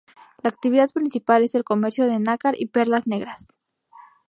La actividad principal es el comercio de nácar y perlas negras.